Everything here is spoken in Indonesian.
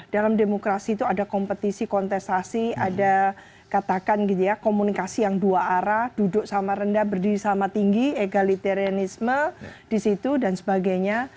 dalam demokrasi itu ada kompetisi kontestasi ada katakan gitu ya komunikasi yang dua arah duduk sama rendah berdiri sama tinggi egalitarianisme di situ dan sebagainya